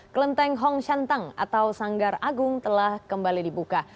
kelenteng hong shantang atau sanggar agung telah kembali dibuka